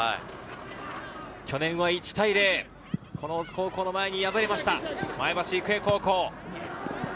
去年は１対０、この大津高校に敗れました、前橋育英高校。